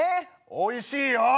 おいしいよ！